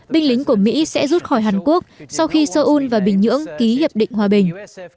binh lính của mỹ sẽ rút khỏi hàn quốc sau khi seoul và bình nhưỡng ký hiệp định hòa bình